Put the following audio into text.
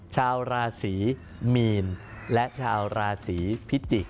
ชาวราศีมีนและชาวราศีพิจิกษ